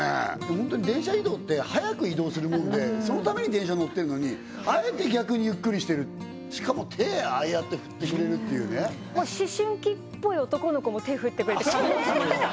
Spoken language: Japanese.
ホントに電車移動って早く移動するものでそのために電車乗ってるのにあえて逆にゆっくりしてるしかも手ああやって振ってくれるっていうね思春期っぽい男の子も手振ってくれて感動しました